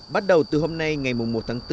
bắt đầu từ hôm nay ngày một tháng bốn